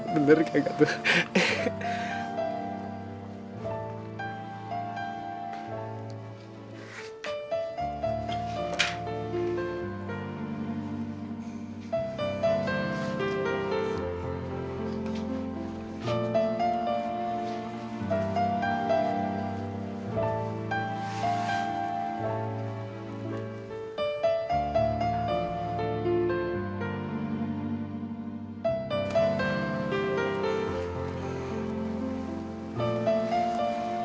bener kakak tuh